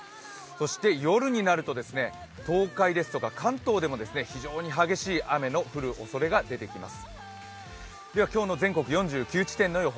そして夜になると、東海ですとか関東でも非常に激しい雨の降るおそれが出てきます。